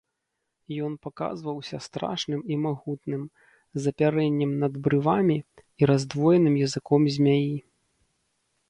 Ён паказваўся страшным і магутным, з апярэннем над брывамі і раздвоеным языком змяі.